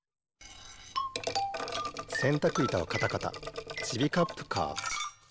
せんたくいたをカタカタちびカップカー。